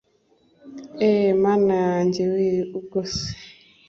eheeee mana yanjye wee ubwo se